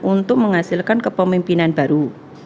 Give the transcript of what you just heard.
untuk menghasilkan kepemimpinan baru